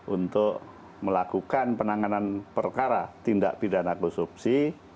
untuk melakukan penanganan perkara tindak pidana korupsi